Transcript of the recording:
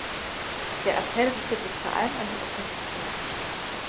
Der Appell richtet sich vor allem an die Opposition.